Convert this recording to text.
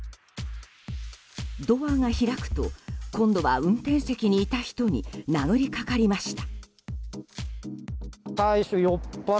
ドアが開くと今度は運転席にいた人に殴りかかりました。